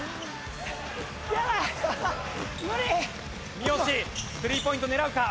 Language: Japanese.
三好スリーポイント狙うか？